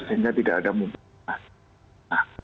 sehingga tidak ada mumpungan